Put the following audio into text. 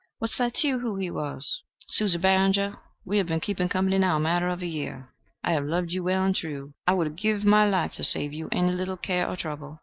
What's that to you, who he was?" "Susie Barringer, we have been keeping company now a matter of a year. I have loved you well and true: I would have give my life to save you any little care or trouble.